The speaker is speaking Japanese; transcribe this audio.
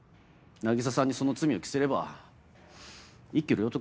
凪沙さんにその罪を着せれば一挙両得です。